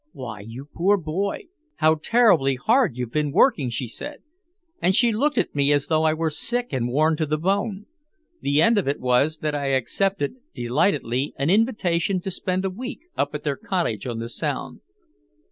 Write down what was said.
"Why, you poor boy. How terribly hard you've been working," she said. And she looked at me as though I were sick and worn to the bone. The end of it was that I accepted delightedly an invitation to spend a week up at their cottage on the Sound.